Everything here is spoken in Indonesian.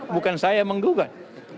bukan saya menggugat